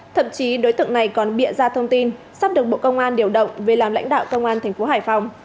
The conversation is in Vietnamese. thậm chí đối tượng này còn bịa ra thông tin sắp được bộ công an điều động về làm lãnh đạo công an thành phố hải phòng